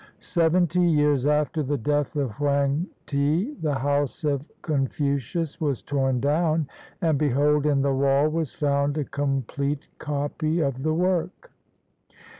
Seventy years after the death of Hoang ti, the house of Confucius was torn down, and, behold, in the wall was found a complete copy of the work.